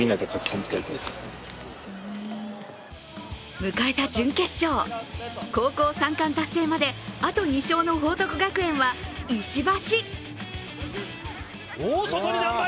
迎えた準決勝高校三冠達成まであと２勝の報徳学園は石橋！